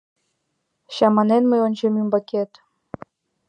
«Чаманен мый ончем ӱмбакет...»